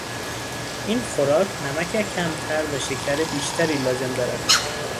این خوراک نمک کمتر و شکر بیشتری لازم دارد.